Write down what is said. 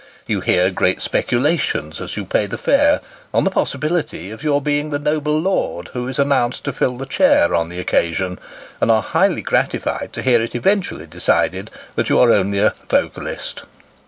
You hear great speculations as you pay the fare, on the possibility of your being the noble Lord who is announced to fill the chair on the occasion, and are highly gratified to hear it eventually decided that you are only a " wocalist."